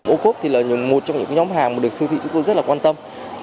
ô cốp là một trong những nhóm hàng mà được siêu thị chúng tôi rất quan tâm